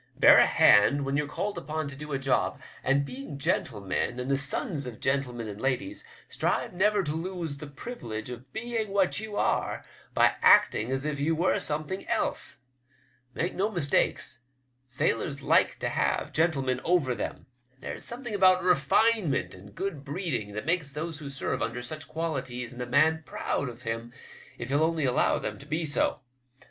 Bear a hand when you're called upon to do a job, and being gentlemen, and the WEEVWS LECTURE. 181 8onB of gentlemen and ladies, strive never to lose the privilege of being what you are, by acting as if you were something else. Make no mistake, sailors like to have gentlemen over them. There's a something about refine ment and good breeding that makes those who serve under such qualities in a man proud of him if he'll only allow them to be so.